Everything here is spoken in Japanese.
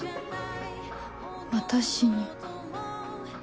私に。